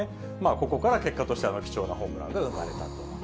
ここから結果としては、あの貴重なホームランが生まれたと。